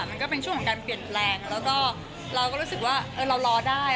มันก็เป็นช่วงของการเปลี่ยนแปลงแล้วก็เราก็รู้สึกว่าเรารอได้